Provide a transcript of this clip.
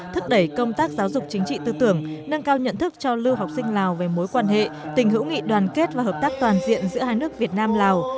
thúc đẩy công tác giáo dục chính trị tư tưởng nâng cao nhận thức cho lưu học sinh lào về mối quan hệ tình hữu nghị đoàn kết và hợp tác toàn diện giữa hai nước việt nam lào